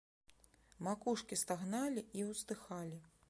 Макушкі стагналі і ўздыхалі.